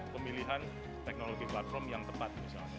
kemilihan teknologi platform yang tepat